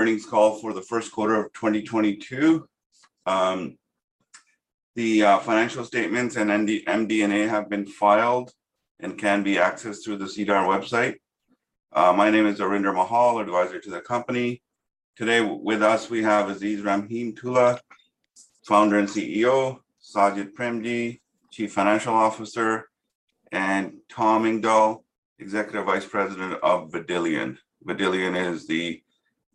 Earnings call for the first quarter of 2022. The financial statements and MD&A have been filed and can be accessed through the SEDAR website. My name is Arinder Mahal, Advisor to the company. Today with us we have Aziz Rahimtoola, Founder and Chief Executive Officer, Sajid Premji, Chief Financial Officer, and Tom Engdahl, Executive Vice President of Vidillion. Vidillion is the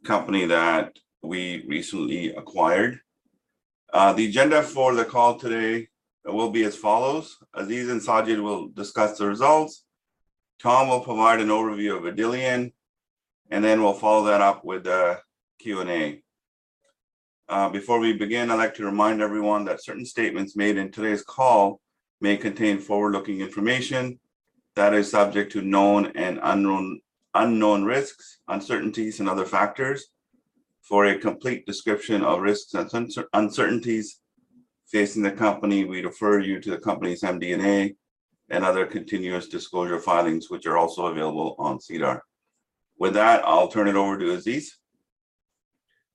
company that we recently acquired. The agenda for the call today will be as follows, Aziz and Sajid will discuss the results. Tom will provide an overview of Vidillion, and then we'll follow that up with the Q&A. Before we begin, I'd like to remind everyone that certain statements made in today's call may contain forward-looking information that is subject to known and unknown risks, uncertainties, and other factors. For a complete description of risks and uncertainties facing the company, we refer you to the company's MD&A and other continuous disclosure filings, which are also available on SEDAR. With that, I'll turn it over to Aziz.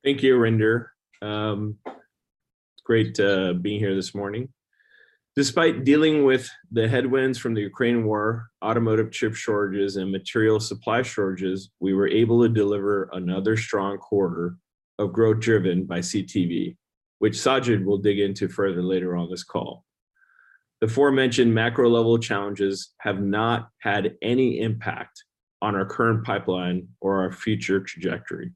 Thank you, Arinder. It's great to be here this morning. Despite dealing with the headwinds from the Ukraine war, automotive chip shortages, and material supply shortages, we were able to deliver another strong quarter of growth driven by CTV, which Sajid will dig into further later on this call. The aforementioned macro level challenges have not had any impact on our current pipeline or our future trajectory.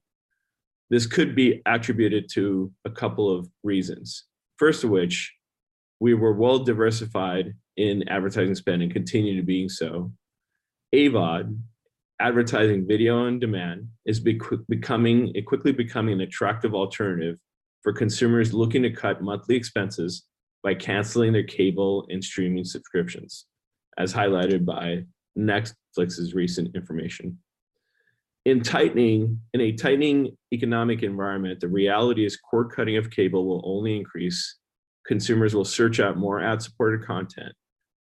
This could be attributed to a couple of reasons. First of which, we were well diversified in advertising spend and continue to being so. AVOD, advertising video on demand, is quickly becoming an attractive alternative for consumers looking to cut monthly expenses by canceling their cable and streaming subscriptions, as highlighted by Netflix's recent information. In a tightening economic environment, the reality is cord-cutting of cable will only increase. Consumers will search out more ad-supported content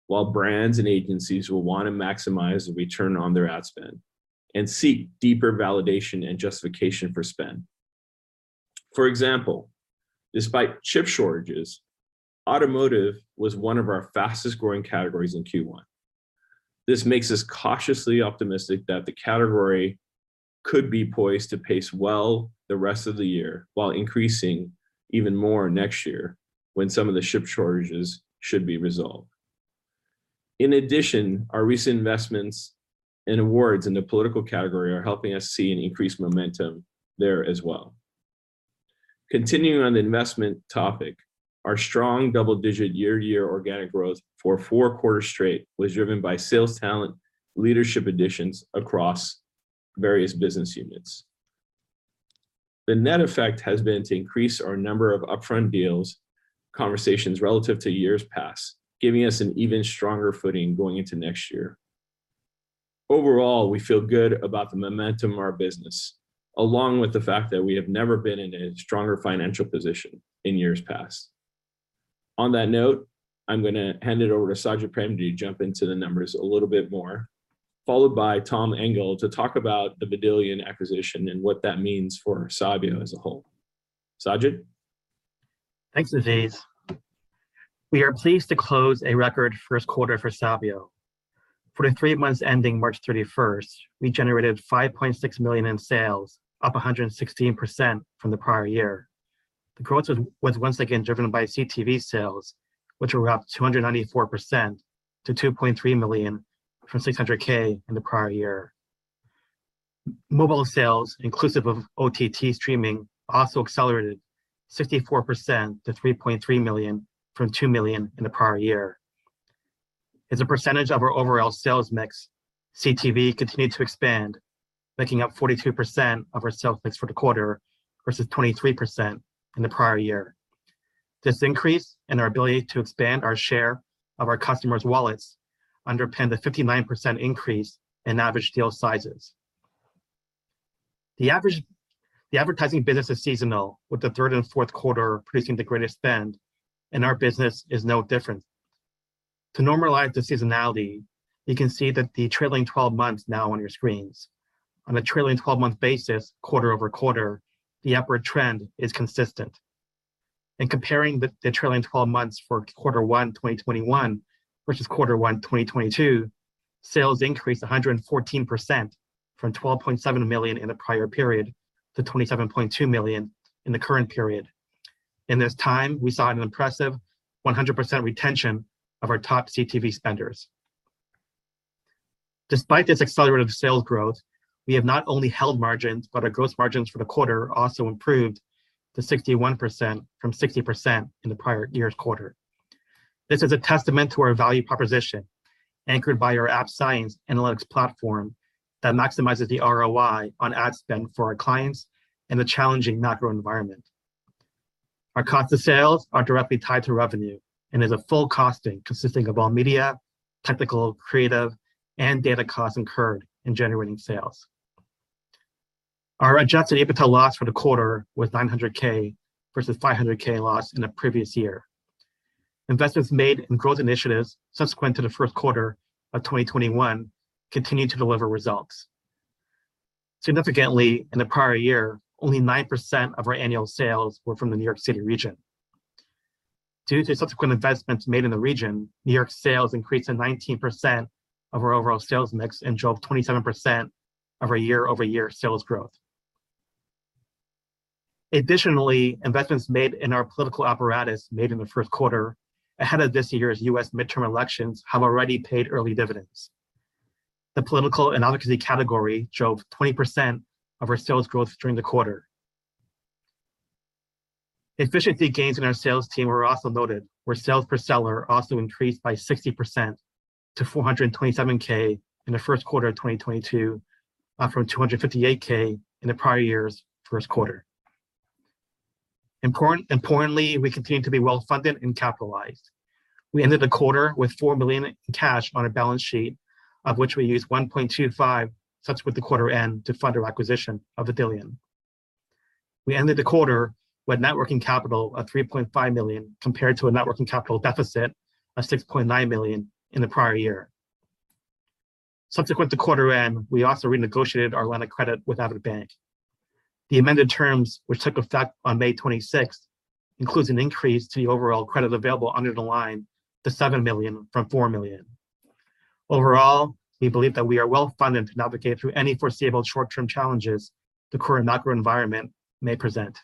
while brands and agencies will wanna maximize the return on their ad spend and seek deeper validation and justification for spend. For example, despite chip shortages, automotive was one of our fastest-growing categories in Q1. This makes us cautiously optimistic that the category could be poised to pace well the rest of the year while increasing even more next year when some of the chip shortages should be resolved. In addition, our recent investments and awards in the political category are helping us see an increased momentum there as well. Continuing on the investment topic, our strong double-digit year-to-year organic growth for four quarters straight was driven by sales talent, leadership additions across various business units. The net effect has been to increase our number of upfront deals, conversations relative to years past, giving us an even stronger footing going into next year. Overall, we feel good about the momentum of our business, along with the fact that we have never been in a stronger financial position in years past. On that note, I'm gonna hand it over to Sajid Premji to jump into the numbers a little bit more, followed by Thomas Engdahl to talk about the Vidillion acquisition and what that means for Sabio as a whole. Sajid? Thanks, Aziz. We are pleased to close a record first quarter for Sabio. For the three months ending March 31st, we generated 5.6 million in sales, up 116% from the prior year. The growth was once again driven by CTV sales, which were up 294% to 2.3 million from 600K in the prior year. Mobile sales, inclusive of OTT streaming, also accelerated 64% to 3.3 million from 2 million in the prior year. As a percentage of our overall sales mix, CTV continued to expand, making up 42% of our sales mix for the quarter versus 23% in the prior year. This increase in our ability to expand our share of our customers' wallets underpinned a 59% increase in average deal sizes. The advertising business is seasonal, with the third and fourth quarter producing the greatest spend, and our business is no different. To normalize the seasonality, you can see that the trailing twelve months now on your screens. On a trailing twelve-month basis, quarter-over-quarter, the upward trend is consistent. In comparing the trailing twelve months for quarter one 2021 versus quarter one 2022, sales increased 114% from 12.7 million in the prior period to 27.2 million in the current period. In this time, we saw an impressive 100% retention of our top CTV spenders. Despite this accelerated sales growth, we have not only held margins, but our gross margins for the quarter also improved to 61% from 60% in the prior year's quarter. This is a testament to our value proposition, anchored by our AppScience analytics platform that maximizes the ROI on ad spend for our clients in the challenging macro environment. Our cost of sales are directly tied to revenue and is a full costing consisting of all media, technical, creative, and data costs incurred in generating sales. Our adjusted EBITDA loss for the quarter was 900 thousand versus 500 thousand loss in the previous year. Investments made in growth initiatives subsequent to the first quarter of 2021 continue to deliver results. Significantly, in the prior year, only 9% of our annual sales were from the New York City region. Due to subsequent investments made in the region, New York sales increased to 19% of our overall sales mix and drove 27% of our year-over-year sales growth. Investments made in our political apparatus made in the first quarter ahead of this year's U.S. midterm elections have already paid early dividends. The political and advocacy category drove 20% of our sales growth during the quarter. Efficiency gains in our sales team were also noted, where sales per seller also increased by 60% to 427K in the first quarter of 2022, up from 258K in the prior year's first quarter. Importantly, we continue to be well-funded and capitalized. We ended the quarter with 4 million in cash on our balance sheet, of which we used 1.25 million subsequent to quarter end to fund our acquisition of Vidillion. We ended the quarter with net working capital of 3.5 million, compared to a net working capital deficit of 6.9 million in the prior year. Subsequent to quarter end, we also renegotiated our line of credit with ATB Financial. The amended terms, which took effect on May 26th, includes an increase to the overall credit available under the line to 7 million from 4 million. Overall, we believe that we are well-funded to navigate through any foreseeable short-term challenges the current macro environment may present.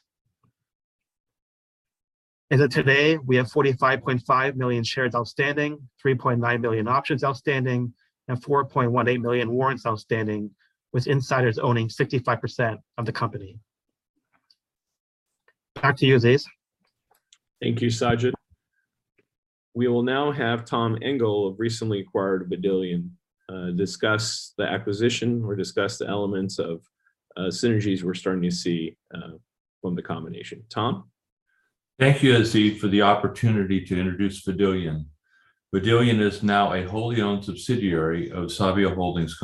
As of today, we have 45.5 million shares outstanding, 3.9 million options outstanding, and 4.18 million warrants outstanding, with insiders owning 65% of the company. Back to you, Aziz. Thank you, Sajid. We will now have Tom Engdahl of recently acquired Vidillion discuss the elements of synergies we're starting to see from the combination. Tom. Thank you, Aziz, for the opportunity to introduce Vidillion. Vidillion is now a wholly-owned subsidiary of Sabio Holdings.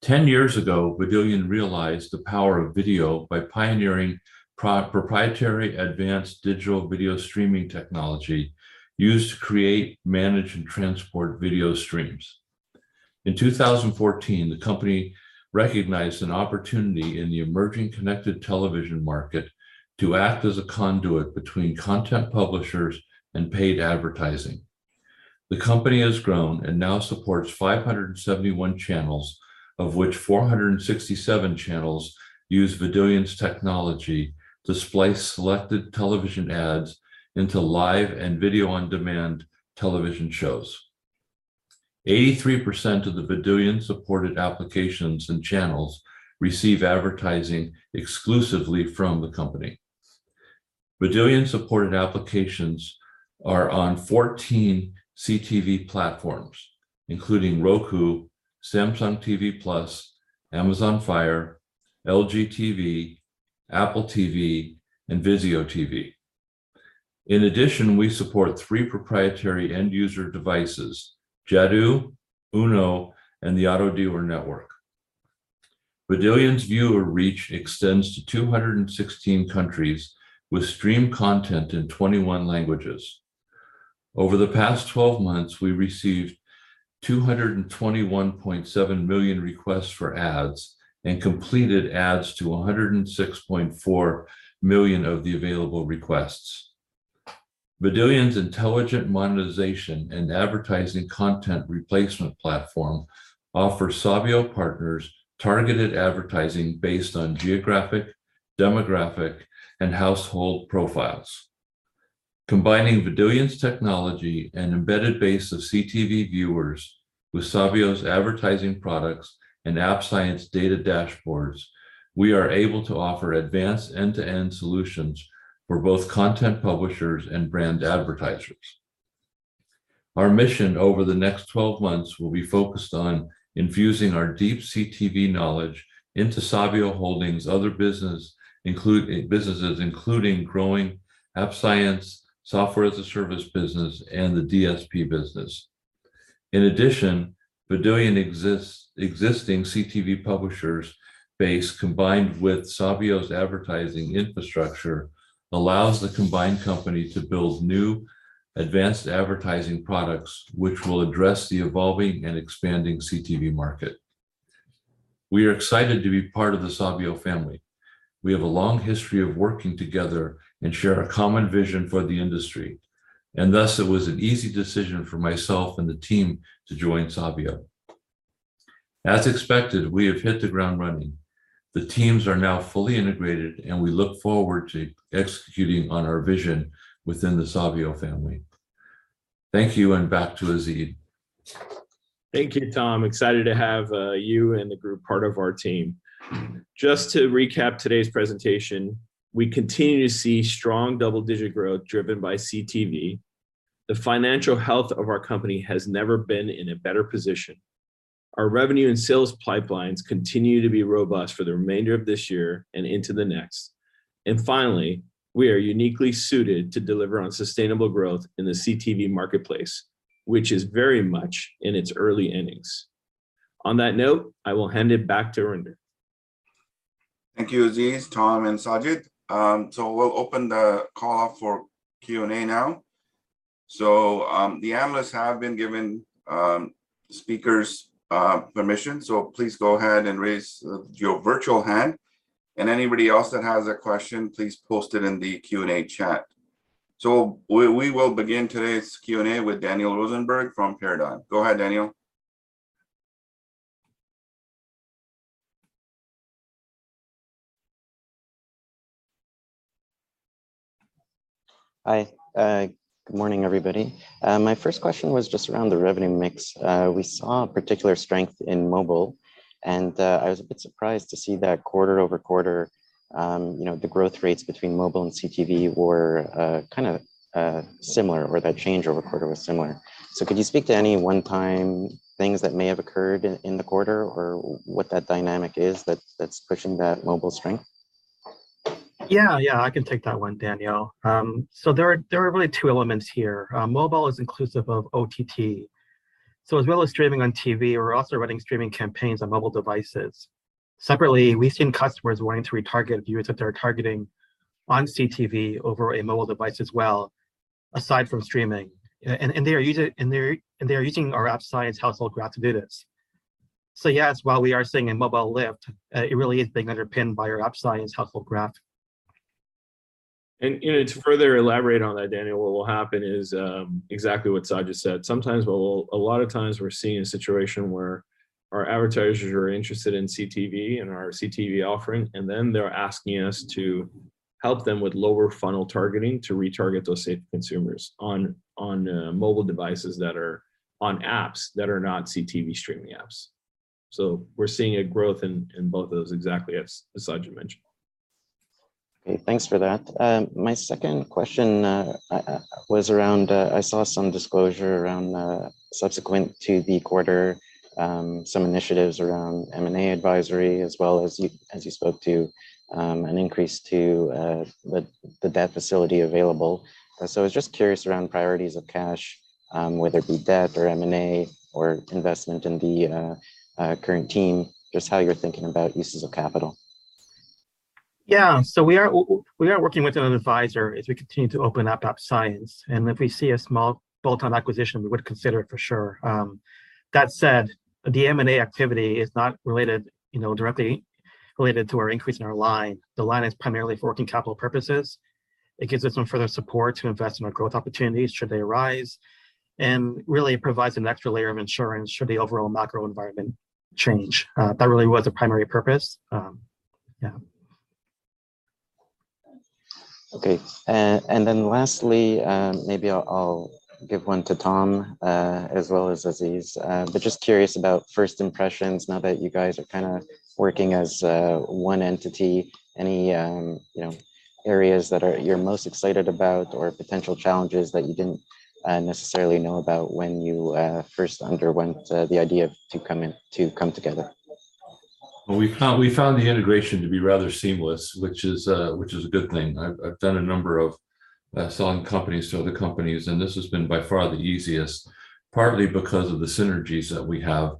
10 years ago, Vidillion realized the power of video by pioneering proprietary advanced digital video streaming technology used to create, manage, and transport video streams. In 2014, the company recognized an opportunity in the emerging connected television market to act as a conduit between content publishers and paid advertising. The company has grown and now supports 571 channels, of which 467 channels use Vidillion's technology to splice selected television ads into live and video-on-demand television shows. 83% of the Vidillion-supported applications and channels receive advertising exclusively from the company. Vidillion-supported applications are on 14 CTV platforms, including Roku, Samsung TV Plus, Amazon Fire TV, LG TV, Apple TV, and Vizio TV. In addition, we support three proprietary end-user devices: Jadoo, Uno, and the Auto Dealer Network. Vidillion's viewer reach extends to 216 countries with streamed content in 21 languages. Over the past 12 months, we received 221.7 million requests for ads and completed ads to 106.4 million of the available requests. Vidillion's intelligent monetization and advertising content replacement platform offers Sabio partners targeted advertising based on geographic, demographic, and household profiles. Combining Vidillion's technology and embedded base of CTV viewers with Sabio's advertising products and AppScience data dashboards, we are able to offer advanced end-to-end solutions for both content publishers and brand advertisers. Our mission over the next 12 months will be focused on infusing our deep CTV knowledge into Sabio Holdings' other business, including growing AppScience software-as-a-service business and the DSP business. In addition, Vidillion's existing CTV publishers base, combined with Sabio's advertising infrastructure, allows the combined company to build new advanced advertising products which will address the evolving and expanding CTV market. We are excited to be part of the Sabio family. We have a long history of working together and share a common vision for the industry, and thus it was an easy decision for myself and the team to join Sabio. As expected, we have hit the ground running. The teams are now fully integrated, and we look forward to executing on our vision within the Sabio family. Thank you, and back to Aziz. Thank you, Tom. Excited to have you and the group part of our team. Just to recap today's presentation, we continue to see strong double-digit growth driven by CTV. The financial health of our company has never been in a better position. Our revenue and sales pipelines continue to be robust for the remainder of this year and into the next. Finally, we are uniquely suited to deliver on sustainable growth in the CTV marketplace, which is very much in its early innings. On that note, I will hand it back to Arinder. Thank you, Aziz, Tom, and Sajid. We'll open the call up for Q&A now. The analysts have been given speakers' permission, so please go ahead and raise your virtual hand, and anybody else that has a question, please post it in the Q&A chat. We will begin today's Q&A with Daniel Rosenberg from Paradigm. Go ahead, Daniel. Hi, good morning, everybody. My first question was just around the revenue mix. We saw a particular strength in mobile, and I was a bit surprised to see that quarter-over-quarter, you know, the growth rates between mobile and CTV were kind of similar, or that change quarter-over-quarter was similar. Could you speak to any one-time things that may have occurred in the quarter or what that dynamic is that's pushing that mobile strength? Yeah, yeah. I can take that one, Daniel. There are really two elements here. Mobile is inclusive of OTT, so as well as streaming on TV, we're also running streaming campaigns on mobile devices. Separately, we've seen customers wanting to retarget viewers that they're targeting on CTV over a mobile device as well, aside from streaming. They are using our AppScience Household Graph to do this. Yes, while we are seeing a mobile lift, it really is being underpinned by our AppScience Household Graph. You know, to further elaborate on that, Daniel, what will happen is exactly what Sajid said. A lot of times we're seeing a situation where our advertisers are interested in CTV and our CTV offering, and then they're asking us to help them with lower funnel targeting to retarget those same consumers on mobile devices that are on apps that are not CTV streaming apps. We're seeing a growth in both of those, exactly as Sajid mentioned. Okay. Thanks for that. My second question was around, I saw some disclosure around, subsequent to the quarter, some initiatives around M&A advisory as well as you, as you spoke to, an increase to the debt facility available. So I was just curious around priorities of cash, whether it be debt or M&A or investment in the current team, just how you're thinking about uses of capital. Yeah. We are working with an advisor as we continue to open up AppScience, and if we see a small bolt-on acquisition, we would consider it for sure. That said, the M&A activity is not related, you know, directly related to our increase in our line. The line is primarily for working capital purposes. It gives us some further support to invest in our growth opportunities should they arise, and really provides an extra layer of insurance should the overall macro environment change. That really was the primary purpose. Yeah. Okay. Then lastly, maybe I'll give one to Tom, as well as Aziz. Just curious about first impressions now that you guys are kinda working as one entity. Any areas that you're most excited about or potential challenges that you didn't necessarily know about when you first underwent the idea to come in, to come together? Well, we found the integration to be rather seamless, which is a good thing. I've done a number of selling companies to other companies, and this has been by far the easiest, partly because of the synergies that we have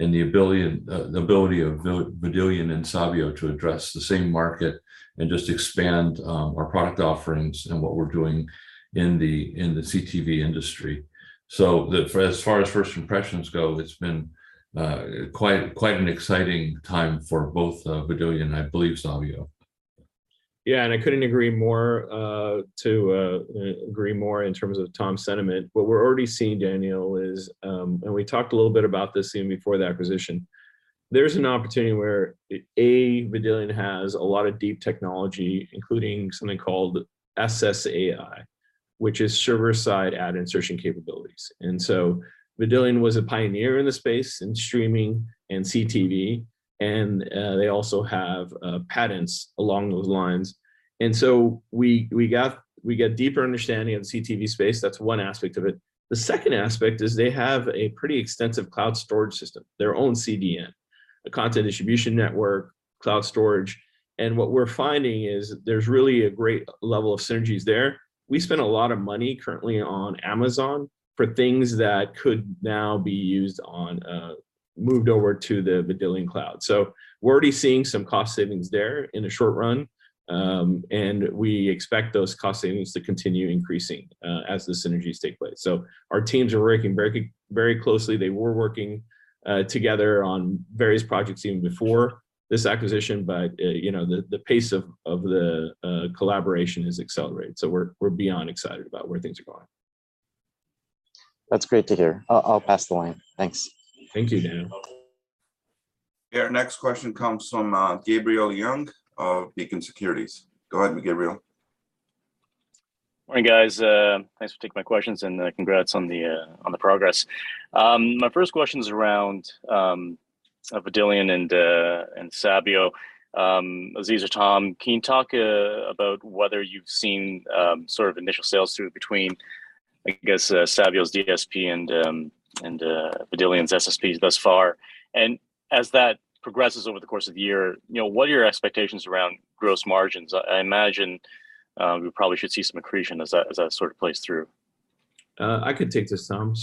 and the ability of Vidillion and Sabio to address the same market and just expand our product offerings and what we're doing in the CTV industry. As far as first impressions go, it's been quite an exciting time for both Vidillion and I believe Sabio. I couldn't agree more in terms of Tom's sentiment. What we're already seeing, Daniel, is we talked a little bit about this even before the acquisition. There's an opportunity where, A, Vidillion has a lot of deep technology, including something called SSAI, which is server-side ad insertion capabilities. Vidillion was a pioneer in the space in streaming and CTV, and they also have patents along those lines. We get deeper understanding of the CTV space. That's one aspect of it. The second aspect is they have a pretty extensive cloud storage system, their own CDN, a content distribution network, cloud storage, and what we're finding is there's really a great level of synergies there. We spend a lot of money currently on Amazon for things that could now be moved over to the Vidillion cloud. We're already seeing some cost savings there in the short run, and we expect those cost savings to continue increasing as the synergies take place. Our teams are working very closely. They were working together on various projects even before this acquisition, but you know, the pace of the collaboration has accelerated. We're beyond excited about where things are going. That's great to hear. I'll pass the line. Thanks. Thank you, Daniel. Our next question comes from Gabriel Leung of Beacon Securities. Go ahead, Gabriel. Morning, guys. Thanks for taking my questions, and congrats on the progress. My first question's around Vidillion and Sabio. Aziz or Tom, can you talk about whether you've seen sort of initial sales through between, I guess, Sabio's DSP and Vidillion's SSPs thus far? As that progresses over the course of the year, you know, what are your expectations around gross margins? I imagine we probably should see some accretion as that sort of plays through. I could take this, Tom.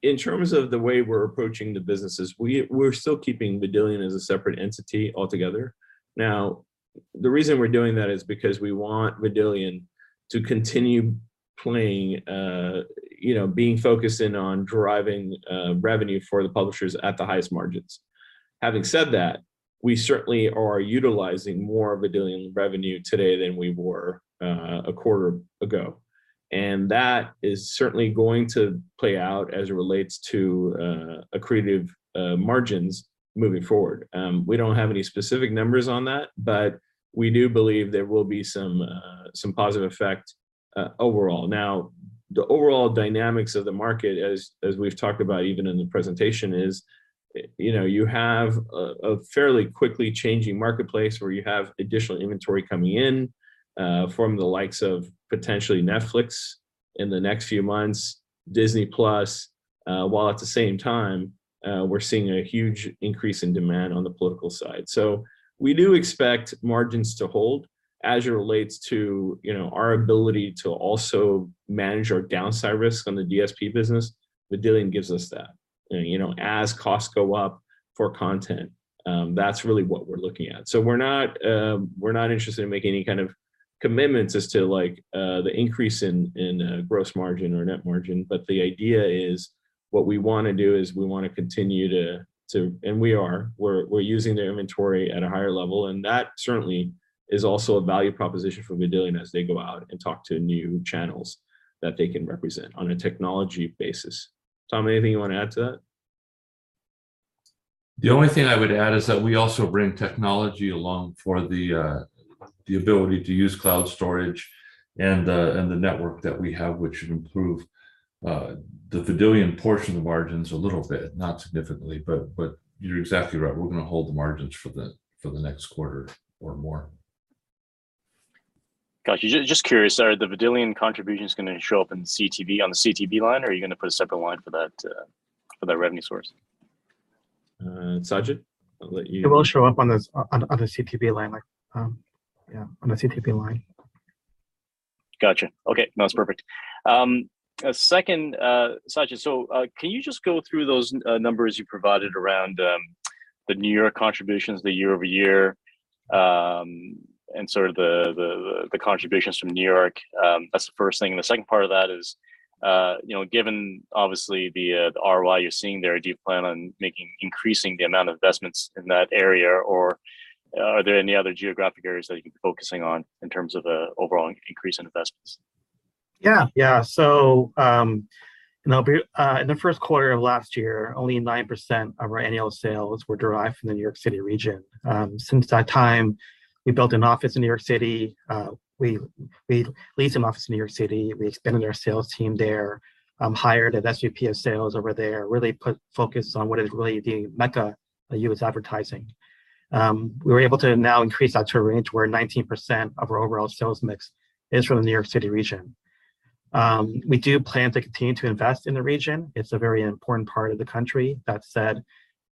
In terms of the way we're approaching the businesses, we're still keeping Vidillion as a separate entity altogether. Now, the reason we're doing that is because we want Vidillion to continue playing, you know, being focused in on driving revenue for the publishers at the highest margins. Having said that, we certainly are utilizing more of Vidillion revenue today than we were a quarter ago. That is certainly going to play out as it relates to accretive margins moving forward. We don't have any specific numbers on that, but we do believe there will be some positive effect overall. Now, the overall dynamics of the market as we've talked about even in the presentation is, you know, you have a fairly quickly changing marketplace where you have additional inventory coming in from the likes of potentially Netflix in the next few months, Disney+, while at the same time, we're seeing a huge increase in demand on the political side. We do expect margins to hold as it relates to, you know, our ability to also manage our downside risk on the DSP business. Vidillion gives us that. You know, as costs go up for content, that's really what we're looking at. We're not interested in making any kind of commitments as to like the increase in gross margin or net margin. The idea is what we wanna do is we wanna continue to. We are. We're using their inventory at a higher level, and that certainly is also a value proposition for Vidillion as they go out and talk to new channels that they can represent on a technology basis. Tom, anything you wanna add to that? The only thing I would add is that we also bring technology along for the ability to use cloud storage and the network that we have, which would improve the Vidillion portion of the margins a little bit, not significantly, but you're exactly right. We're gonna hold the margins for the next quarter or more. Gotcha. Just curious, are the Vidillion contributions gonna show up in the CTV, on the CTV line, or are you gonna put a separate line for that, for that revenue source? Sajid, I'll let you It will show up on the CTV line. Like, yeah, on the CTV line. Gotcha. Okay. No, it's perfect. A second, Sajid, so can you just go through those numbers you provided around the New York contributions, the year-over-year, and sort of the contributions from New York? That's the first thing. The second part of that is, you know, given obviously the ROI you're seeing there, do you plan on making increasing the amount of investments in that area, or are there any other geographic areas that you can be focusing on in terms of an overall increase in investments? In the first quarter of last year, only 9% of our annual sales were derived from the New York City region. Since that time, we built an office in New York City. We leased an office in New York City. We expanded our sales team there, hired an SVP of Sales over there, really put focus on what is really the mecca of U.S. advertising. We were able to now increase that to a range where 19% of our overall sales mix is from the New York City region. We do plan to continue to invest in the region. It's a very important part of the country. That said,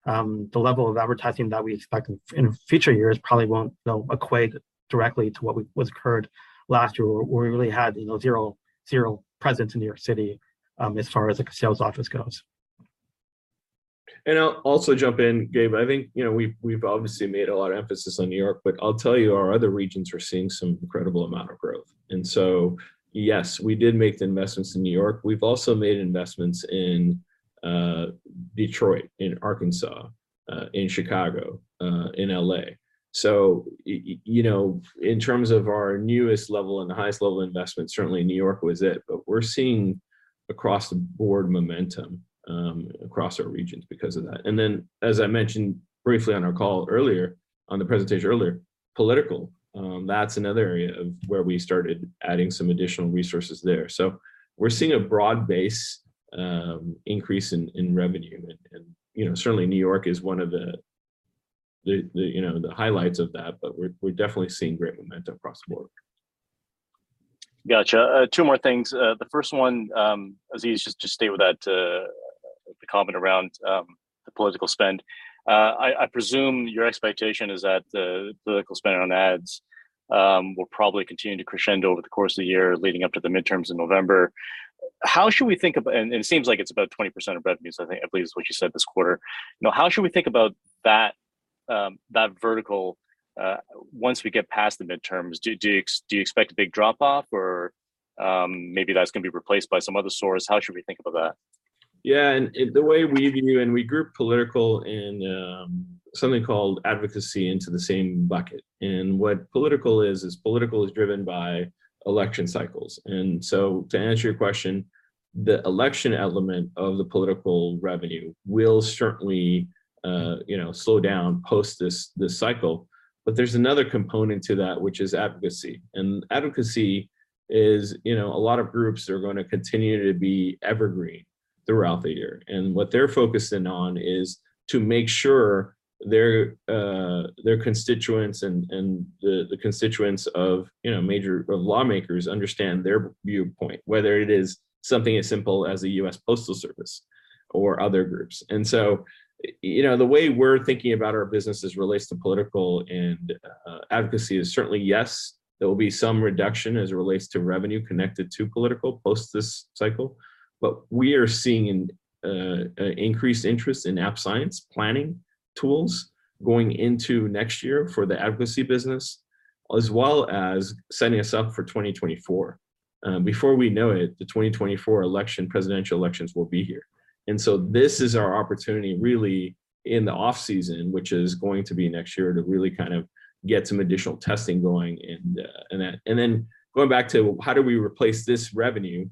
the level of advertising that we expect in future years probably won't, you know, equate directly to what's occurred last year, where we really had, you know, zero presence in New York City, as far as like a sales office goes. I'll also jump in, Gabe. I think, you know, we've obviously made a lot of emphasis on New York, but I'll tell you, our other regions are seeing some incredible amount of growth. Yes, we did make the investments in New York. We've also made investments in Detroit, in Arkansas, in Chicago, in L.A. You know, in terms of our newest level and the highest level investment, certainly New York was it. We're seeing across the board momentum across our regions because of that. As I mentioned briefly on our call earlier, on the presentation earlier, political, that's another area where we started adding some additional resources there. We're seeing a broad base increase in revenue. You know, certainly New York is one of the you know, the highlights of that, but we're definitely seeing great momentum across the board. Gotcha. Two more things. The first one, Aziz, just stay with that, the comment around the political spend. I presume your expectation is that the political spend on ads will probably continue to crescendo over the course of the year leading up to the midterms in November. How should we think? It seems like it's about 20% of revenues, I think, I believe is what you said this quarter. You know, how should we think about that vertical, once we get past the midterms? Do you expect a big drop-off or, maybe that's gonna be replaced by some other source? How should we think about that? Yeah. The way we view, and we group political and something called advocacy into the same bucket. What political is political is driven by election cycles. To answer your question, the election element of the political revenue will certainly, you know, slow down post this cycle. There's another component to that, which is advocacy. Advocacy is, you know, a lot of groups are gonna continue to be evergreen throughout the year, and what they're focusing on is to make sure their constituents and the constituents of, you know, major lawmakers understand their viewpoint, whether it is something as simple as the U.S. Postal Service or other groups. You know, the way we're thinking about our business as it relates to political and advocacy is certainly, yes, there will be some reduction as it relates to revenue connected to political post this cycle, but we are seeing an increased interest in AppScience planning tools going into next year for the advocacy business, as well as setting us up for 2024. Before we know it, the 2024 election, presidential elections will be here. This is our opportunity really in the off season, which is going to be next year, to really kind of get some additional testing going and that. Then going back to how do we replace this revenue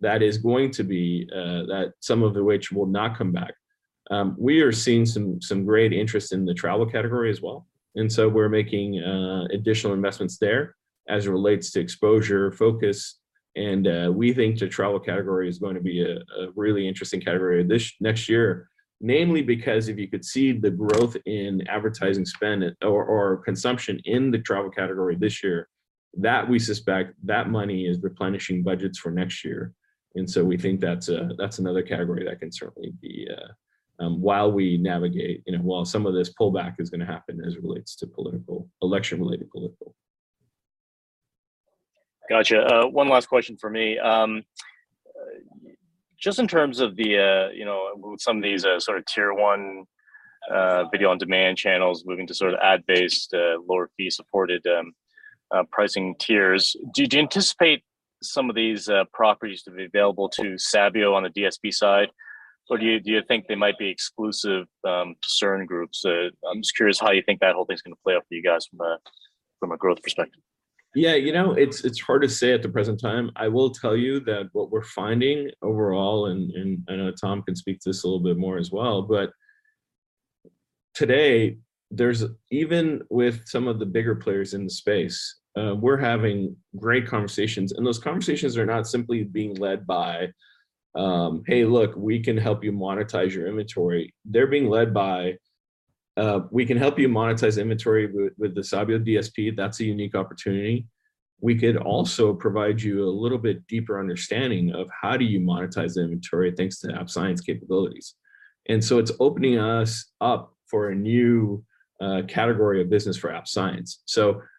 that is going to be, that some of which will not come back. We are seeing some great interest in the travel category as well, and so we're making additional investments there as it relates to exposure, focus. We think the travel category is going to be a really interesting category this next year, namely because if you could see the growth in advertising spend or consumption in the travel category this year, that we suspect that money is replenishing budgets for next year. We think that's another category that can certainly be while we navigate, you know, while some of this pullback is gonna happen as it relates to political, election-related. Gotcha. One last question from me. Just in terms of the, you know, some of these sort of tier one video-on-demand channels moving to sort of ad-based lower fee supported pricing tiers, do you anticipate some of these properties to be available to Sabio on the DSP side? Or do you think they might be exclusive to certain groups? I'm just curious how you think that whole thing's gonna play out for you guys from a growth perspective. Yeah. You know, it's hard to say at the present time. I will tell you that what we're finding overall, and I know Tom can speak to this a little bit more as well, but today there's even with some of the bigger players in the space, we're having great conversations, and those conversations are not simply being led by, "Hey, look, we can help you monetize your inventory." They're being led by, "We can help you monetize inventory with the Sabio DSP. That's a unique opportunity. We could also provide you a little bit deeper understanding of how do you monetize the inventory, thanks to AppScience capabilities." It's opening us up for a new category of business for AppScience.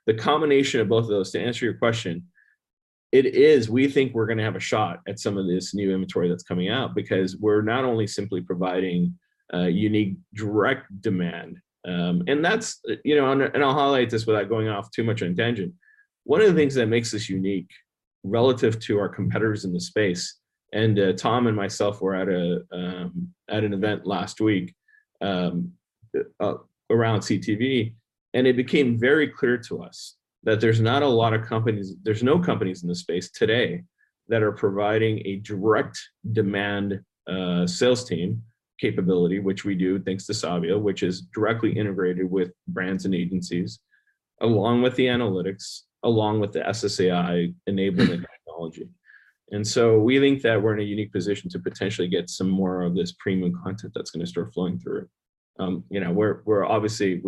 The combination of both of those, to answer your question, it is, we think we're gonna have a shot at some of this new inventory that's coming out because we're not only simply providing a unique direct demand. That's, I'll highlight this without going off too much on a tangent. One of the things that makes us unique relative to our competitors in the space, and Tom and myself were at an event last week around CTV, and it became very clear to us that there's no companies in the space today that are providing a direct demand sales team capability, which we do thanks to Sabio, which is directly integrated with brands and agencies, along with the analytics, along with the SSAI-enabled technology. We think that we're in a unique position to potentially get some more of this premium content that's gonna start flowing through. You know, we're obviously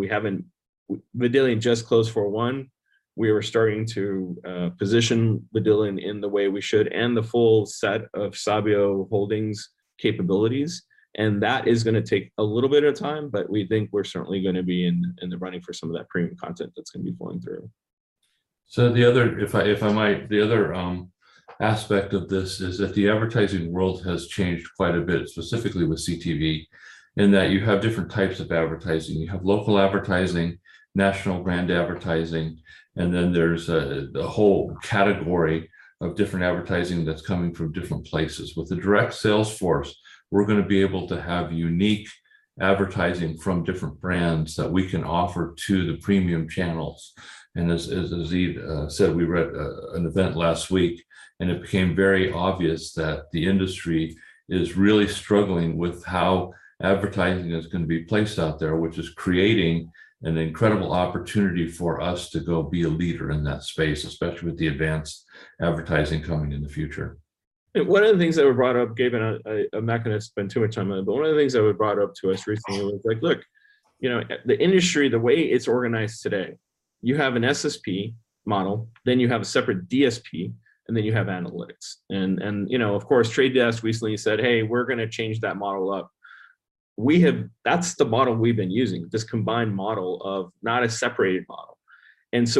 Vidillion just closed for one. We are starting to position Vidillion in the way we should and the full set of Sabio Holdings capabilities, and that is gonna take a little bit of time, but we think we're certainly gonna be in the running for some of that premium content that's gonna be flowing through. If I might, the other aspect of this is that the advertising world has changed quite a bit, specifically with CTV, in that you have different types of advertising. You have local advertising, national brand advertising, and then there's a whole category of different advertising that's coming from different places. With the direct sales force, we're gonna be able to have unique advertising from different brands that we can offer to the premium channels. As Aziz said, we were at an event last week, and it became very obvious that the industry is really struggling with how advertising is gonna be placed out there, which is creating an incredible opportunity for us to go be a leader in that space, especially with the advanced advertising coming in the future. One of the things that were brought up, Gabe and I'm not gonna spend too much time on it, but one of the things that was brought up to us recently was like, you know, the industry, the way it's organized today, you have an SSP model, then you have a separate DSP, and then you have analytics. You know, of course, The Trade Desk recently said, "Hey, we're gonna change that model up." That's the model we've been using, this combined model of not a separated model.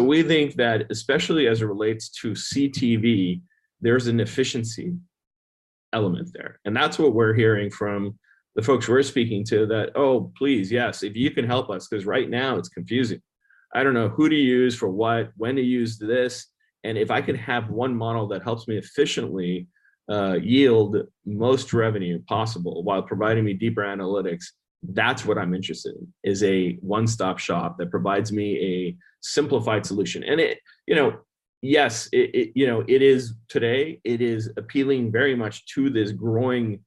We think that especially as it relates to CTV, there's an efficiency element there, and that's what we're hearing from the folks we're speaking to that, "Oh, please, yes, if you can help us, because right now it's confusing. I don't know who to use for what, when to use this, and if I could have one model that helps me efficiently yield most revenue possible while providing me deeper analytics, that's what I'm interested in, is a one-stop shop that provides me a simplified solution." It, you know, yes, it is today, it is appealing very much to this growing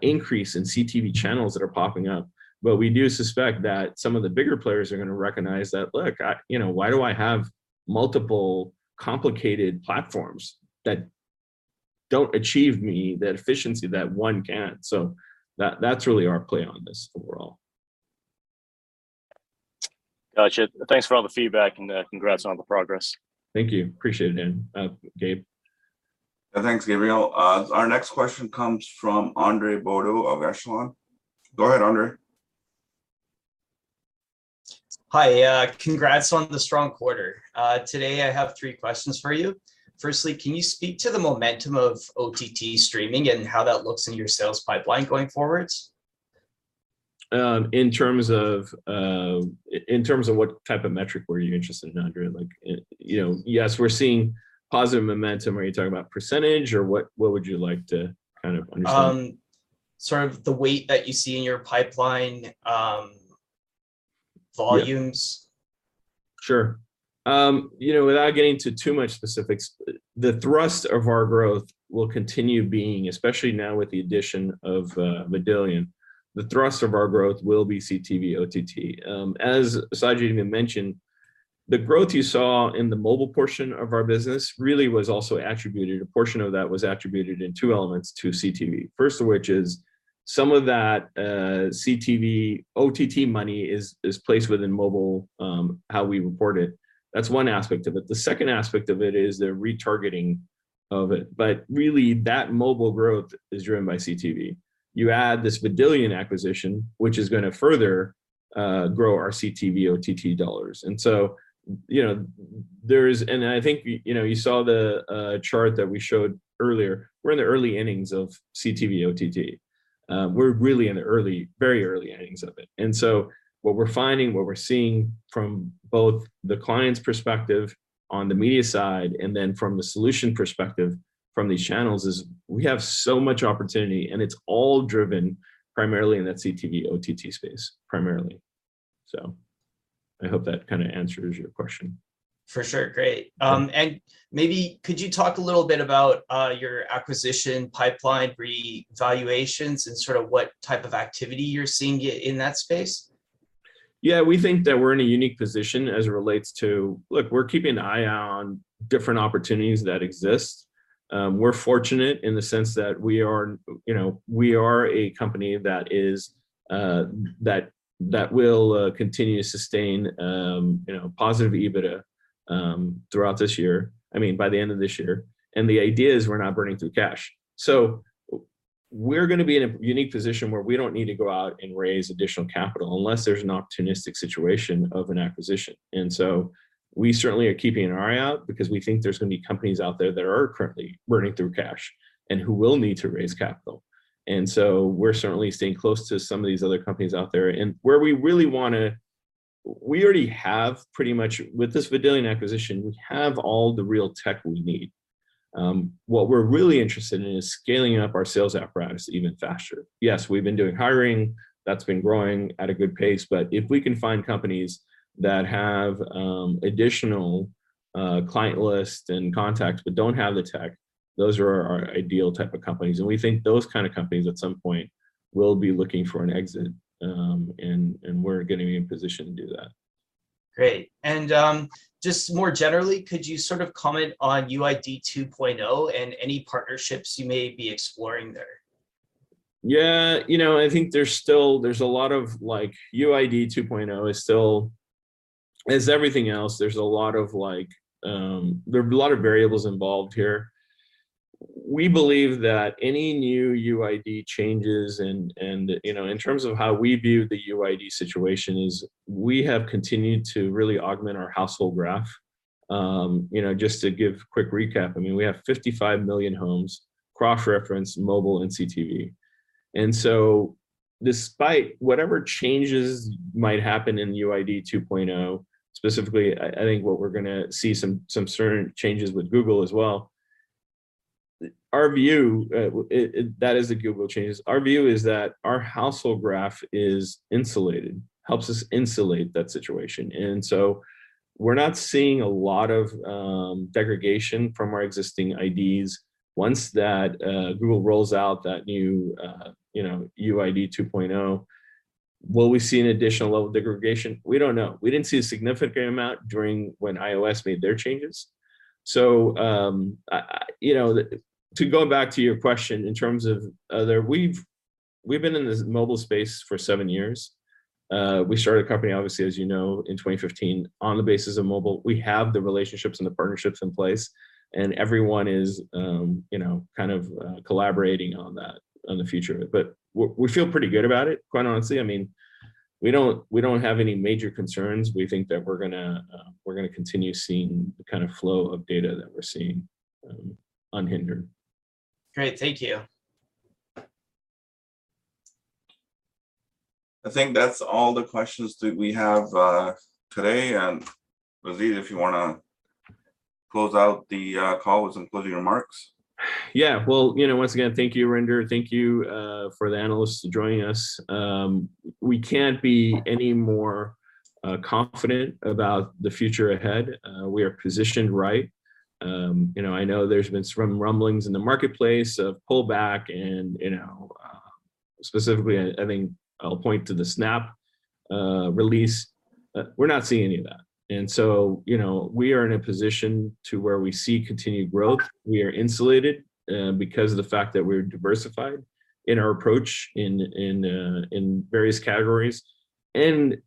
increase in CTV channels that are popping up. We do suspect that some of the bigger players are gonna recognize that, look, I, you know, why do I have multiple complicated platforms that don't achieve me that efficiency that one can? That, that's really our play on this overall. Gotcha. Thanks for all the feedback and, congrats on all the progress. Thank you. Appreciate it, man, Gabe. Thanks, Gabriel. Our next question comes from Andre Bodo of Echelon. Go ahead, Andre. Hi. Congrats on the strong quarter. Today I have three questions for you. Firstly, can you speak to the momentum of OTT streaming and how that looks in your sales pipeline going forward? In terms of what type of metric were you interested in, Andre? Like, you know, yes, we're seeing positive momentum. Are you talking about percentage or what would you like to kind of understand? Sort of the weight that you see in your pipeline, volumes. Sure. You know, without getting into too much specifics, the thrust of our growth will continue being especially now with the addition of Vidillion. The thrust of our growth will be CTV OTT. As Sajid even mentioned, the growth you saw in the mobile portion of our business really was also attributed. A portion of that was attributed in two elements to CTV. First of which is some of that CTV OTT money is placed within mobile, how we report it. That's one aspect of it. The second aspect of it is the retargeting of it. Really that mobile growth is driven by CTV. You add this Vidillion acquisition, which is gonna further grow our CTV OTT dollars. You know, I think you know, you saw the chart that we showed earlier. We're in the early innings of CTV OTT. We're really in the early, very early innings of it. What we're finding, what we're seeing from both the client's perspective on the media side and then from the solution perspective from these channels is we have so much opportunity, and it's all driven primarily in that CTV OTT space, primarily. I hope that kinda answers your question. For sure. Great. Yeah. Maybe could you talk a little bit about your acquisition pipeline revaluations and sort of what type of activity you're seeing in that space? Yeah, we think that we're in a unique position as it relates to. Look, we're keeping an eye on different opportunities that exist. We're fortunate in the sense that we are, you know, a company that will continue to sustain, you know, positive EBITDA throughout this year, I mean, by the end of this year, and the idea is we're not burning through cash. We're gonna be in a unique position where we don't need to go out and raise additional capital unless there's an opportunistic situation of an acquisition. We certainly are keeping an eye out because we think there's gonna be companies out there that are currently burning through cash and who will need to raise capital. We're certainly staying close to some of these other companies out there. We already have pretty much, with this Vidillion acquisition, we have all the real tech we need. What we're really interested in is scaling up our sales apparatus even faster. Yes, we've been doing hiring. That's been growing at a good pace, but if we can find companies that have additional client lists and contacts but don't have the tech, those are our ideal type of companies, and we think those kind of companies at some point will be looking for an exit, and we're gonna be in position to do that. Great. Just more generally, could you sort of comment on UID2.0 and any partnerships you may be exploring there? Yeah, you know, I think there's still a lot of like, UID2.0 is still, as everything else, there are a lot of variables involved here. We believe that any new UID changes and, you know, in terms of how we view the UID situation is we have continued to really augment our household graph. You know, just to give quick recap, I mean, we have 55 million homes cross-referenced mobile and CTV. Despite whatever changes might happen in UID2.0, specifically I think what we're gonna see some certain changes with Google as well, our view, that is the Google changes. Our view is that our household graph is insulated, helps us insulate that situation. We're not seeing a lot of degradation from our existing IDs. Once Google rolls out that new, you know, UID2.0, will we see an additional level of degradation? We don't know. We didn't see a significant amount during when iOS made their changes. You know, to go back to your question in terms of other, we've been in this mobile space for seven years. We started the company obviously, as you know, in 2015 on the basis of mobile. We have the relationships and the partnerships in place, and everyone is, you know, kind of, collaborating on that in the future. We feel pretty good about it, quite honestly. I mean, we don't have any major concerns. We think that we're gonna continue seeing the kind of flow of data that we're seeing, unhindered. Great. Thank you. I think that's all the questions that we have today. Aziz Rahimtoola, if you wanna close out the call with some closing remarks. Yeah. Well, you know, once again, thank you, Arinder. Thank you for the analysts joining us. We can't be any more confident about the future ahead. We are positioned right. You know, I know there's been some rumblings in the marketplace of pullback and, you know, specifically I think I'll point to the Snap release. We're not seeing any of that. You know, we are in a position to where we see continued growth. We are insulated because of the fact that we're diversified in our approach in various categories.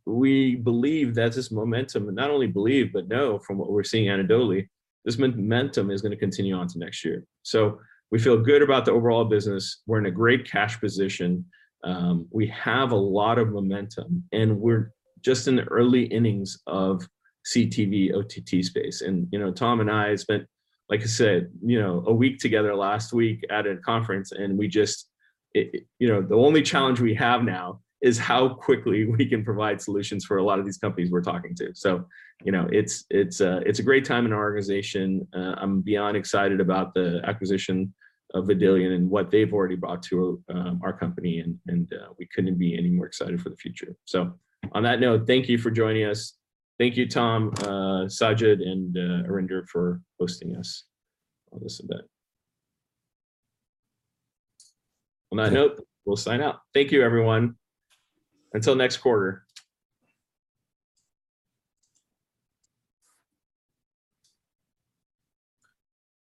We believe that this momentum, not only believe but know from what we're seeing anecdotally, this momentum is gonna continue on to next year. We feel good about the overall business. We're in a great cash position. We have a lot of momentum, and we're just in the early innings of CTV OTT space. You know, Tom and I spent, like I said, you know, a week together last week at a conference, and we just. You know, the only challenge we have now is how quickly we can provide solutions for a lot of these companies we're talking to. It's a great time in our organization. I'm beyond excited about the acquisition of Vidillion and what they've already brought to our company, and we couldn't be any more excited for the future. On that note, thank you for joining us. Thank you, Tom, Sajid, and Arinder for hosting us on this event. On that note, we'll sign out. Thank you, everyone. Until next quarter.